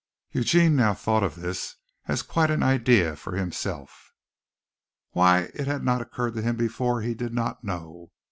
Eugene now thought of this as quite an idea for himself. Why it had not occurred to him before he did not know.